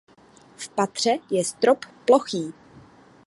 V patře je strop plochý.